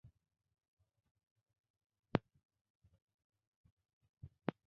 কারণ ওই সরলমনা মহাকাশের জঞ্জালটাই অসাধারণ কিছুর চাবিকাঠি।